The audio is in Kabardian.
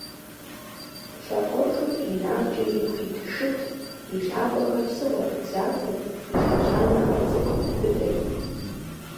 Лъакъуэхур инагъкӀэ ику ит шыт: и лъакъуэхэр псыгъуэт, захуэт, и лъэбжьанэхэр цӀыкӀут, быдэт.